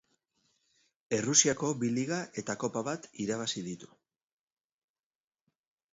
Errusiako bi liga eta kopa bat irabazi ditu.